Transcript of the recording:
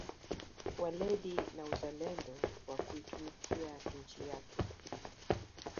Weledi na uzalendo wa kuitumikia nchi yake